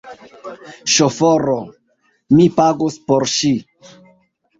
Ŝoforo! Mi pagos por ŝi